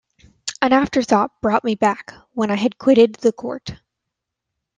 An afterthought brought me back, when I had quitted the court.